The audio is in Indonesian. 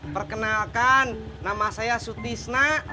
perkenalkan nama saya su tisna